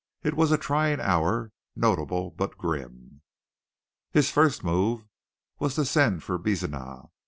It was a trying hour, notable but grim. His first move was to send for Bezenah.